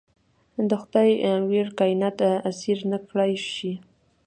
د خدای ویړ کاینات ایسار نکړای شي.